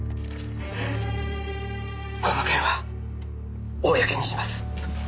この件は公にします。